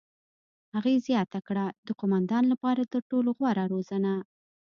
هغې زیاته کړه: "د قوماندان لپاره تر ټولو غوره روزنه.